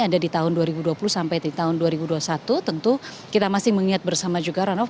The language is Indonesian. ada di tahun dua ribu dua puluh sampai di tahun dua ribu dua puluh satu tentu kita masih mengingat bersama juga ranof